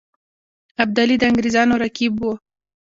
ابدالي د انګرېزانو رقیب وو.